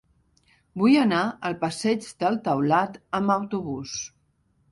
Vull anar al passeig del Taulat amb autobús.